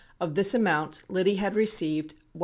Of this amount, Liddy had received $199,000.